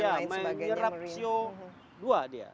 ya manganerapsio dua dia